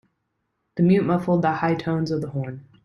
The mute muffled the high tones of the horn.